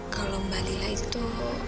kalau mbak lila itu